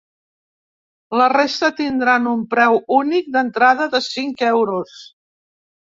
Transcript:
La resta tindran un preu únic d’entrada de cinc euros.